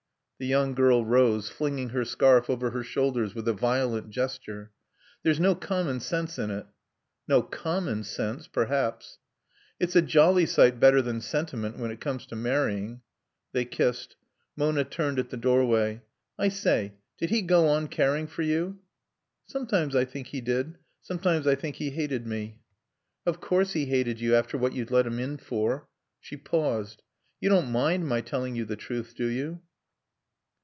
The young girl rose, flinging her scarf over her shoulders with a violent gesture. "There's no common sense in it." "No common sense, perhaps." "It's a jolly sight better than sentiment when it comes to marrying." They kissed. Mona turned at the doorway. "I say did he go on caring for you?" "Sometimes I think he did. Sometimes I think he hated me." "Of course he hated you, after what you'd let him in for." She paused. "You don't mind my telling you the truth, do you?"